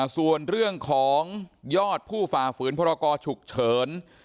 ส่วนเรื่องของยอดผู้ฝ่าฝืนพรกรฉุกเฉิน